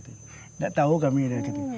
tidak tahu kami itu